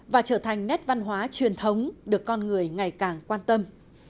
và trở thành nét văn hóa truyền thống được con người ngày càng quan tâm